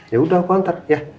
ya udah aku antar ya